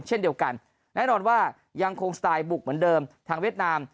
เช่นเดียวกันแน่นอนว่ายังคงสไตล์บุกเหมือนเดิมทางเวียดนาม